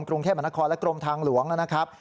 แค่บรรณคอและกรมทางหลวงนะครับ